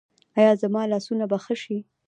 ایا زما لاسونه به ښه شي؟